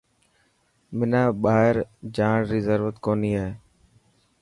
حنا ٻاهر جاڻ ري ضرورت ڪونهي هي.